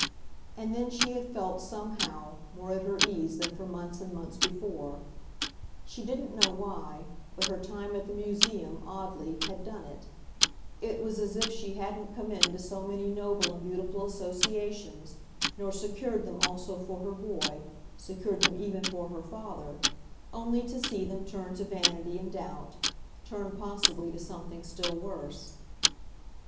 And then she had felt, somehow, more at her ease than for months and months before; she didn't know why, but her time at the Museum, oddly, had done it; it was as if she hadn't come into so many noble and beautiful associations, nor secured them also for her boy, secured them even for her father, only to see them turn to vanity and doubt, turn possibly to something still worse.